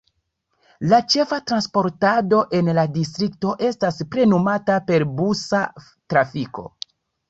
La ĉefa transportado en la distrikto estas plenumata per busa trafiko.